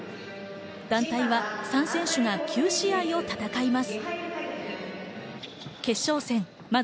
団体は３選手が９試合を戦います。